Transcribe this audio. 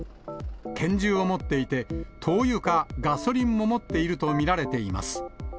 拳銃を持っていて、灯油かガソリンも持っていると見られています。